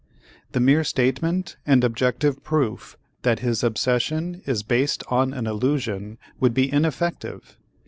The mere statement and objective proof that his obsession is based on an illusion would be ineffective.